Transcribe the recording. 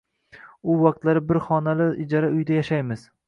U vaqtlar bir xonali ijara uyda yashaymiz